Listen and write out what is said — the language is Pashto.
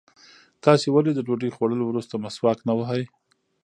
تاسې ولې د ډوډۍ خوړلو وروسته مسواک نه وهئ؟